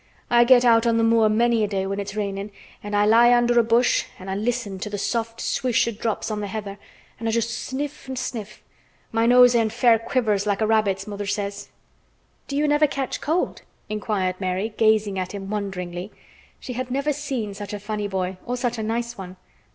I get out on th' moor many a day when it's rainin' an' I lie under a bush an' listen to th' soft swish o' drops on th' heather an' I just sniff an' sniff. My nose end fair quivers like a rabbit's, mother says." "Do you never catch cold?" inquired Mary, gazing at him wonderingly. She had never seen such a funny boy, or such a nice one.